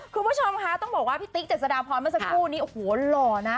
คุณผู้ชมคะต้องบอกว่าพี่ติ๊กเจษฎาพรเมื่อสักครู่นี้โอ้โหหล่อนะ